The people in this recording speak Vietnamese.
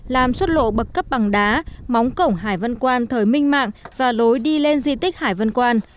làm xuất lộ bậc cấp bằng đá móng cổng hải vân quan thời minh mạng và lối đi lên di tích hải vân quan